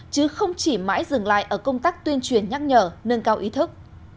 chứ không chỉ mãi dừng lại ở công tác tuyên truyền nhắc nhở nâng cao ý thức